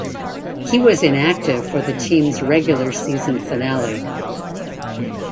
He was inactive for the team's regular season finale.